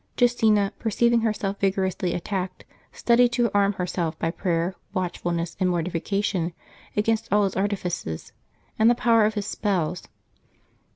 Justina, perceiving herself vigorously attacked, studied to arm herself by prayer, watchfulness, and mortification against all his artifices and the power of his spells.